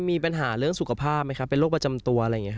มีปัญหาเรื่องสุขภาพไหมครับเป็นโรคประจำตัวอะไรอย่างนี้